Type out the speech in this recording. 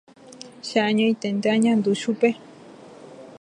Che añoiténte añandu chupe.